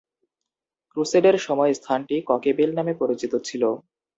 ক্রুসেডের সময় স্থানটি ককেবেল নামে পরিচিত ছিল।